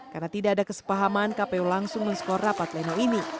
karena tidak ada kesepahaman kpu langsung men score rapat pleno ini